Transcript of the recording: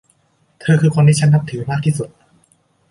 เธอคือคนที่ฉันนับถือมากที่สุด